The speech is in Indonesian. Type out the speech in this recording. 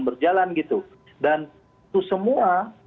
berjalan gitu dan itu semua